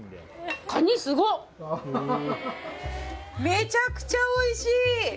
めちゃくちゃおいしい！